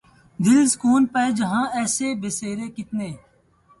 دل سکوں پائے جہاں ایسے بسیرے کتنے